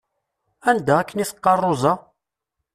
Anda akken i teqqaṛ Roza?